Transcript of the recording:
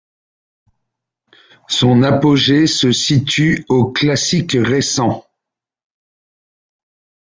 Son apogée se situe au Classique récent.